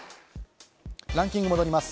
ランキングに戻ります。